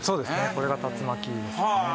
これが竜巻ですね。